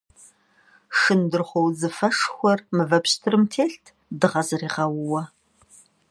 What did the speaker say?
Шындырхъуо удзыфэшхуэр мывэ пщтырым телът дыгъэ зыригъэууэ.